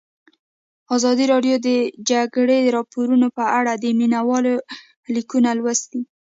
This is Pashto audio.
ازادي راډیو د د جګړې راپورونه په اړه د مینه والو لیکونه لوستي.